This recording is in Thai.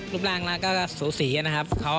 รูปร่างแล้วก็สูสีนะครับ